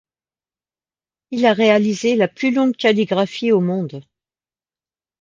Il a réalisé la plus longue calligraphie au monde.